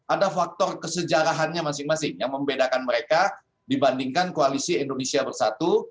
ada faktor kesejarahannya masing masing yang membedakan mereka dibandingkan koalisi indonesia bersatu